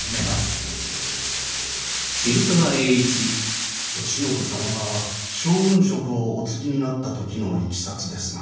慶喜様が将軍職をお継ぎになった時のいきさつですが。